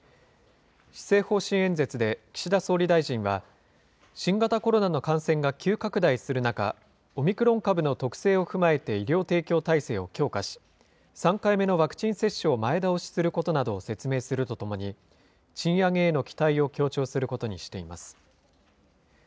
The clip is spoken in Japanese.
施政方針演説で岸田総理大臣は、新型コロナの感染が急拡大する中、オミクロン株の特性を踏まえて医療提供体制を強化し、３回目のワクチン接種を前倒しすることなどを説明するとともに、賃上げへの期待を強調することにしています。